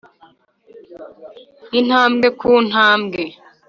intambwe ku ntambwe